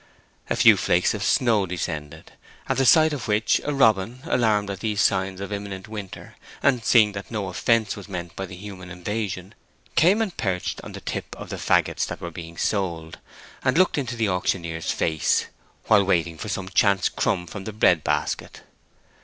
A few flakes of snow descended, at the sight of which a robin, alarmed at these signs of imminent winter, and seeing that no offence was meant by the human invasion, came and perched on the tip of the fagots that were being sold, and looked into the auctioneer's face, while waiting for some chance crumb from the bread basket.